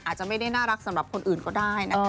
อาจจะไม่ได้น่ารักสำหรับคนอื่นก็ได้นะคะ